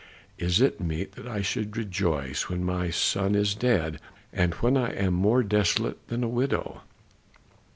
"Is it meet that I should rejoice when my son is dead, and when I am more desolate than a widow?"